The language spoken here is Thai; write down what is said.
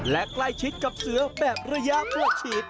และใกล้ชิดกับเสือแบบระยะประฉีด